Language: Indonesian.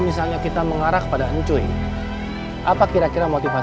misalnya kita mengarah kepada hencuy apa kira kira motivasi